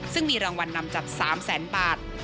ซึ่งมีรางวัลนำจับ๓แสนบาท